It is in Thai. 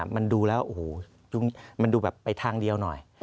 มันดูแล้วโอ้โหมันดูแบบไปทางเดียวหน่อย